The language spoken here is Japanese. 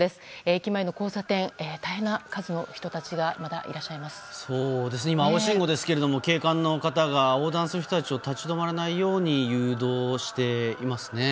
駅前の交差点大変な数の人たちがまだ青信号ですけども警官の方が、横断する人たちを立ち止まらないように誘導していますね。